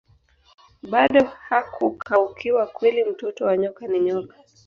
bado hakukaukiwa kweli mtoto wa nyoka ni nyoka